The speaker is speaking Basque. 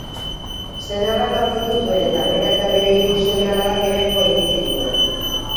Senarrak arkitu zuen eta bera eta bere hiru seme-alabak ere jo egin zituen.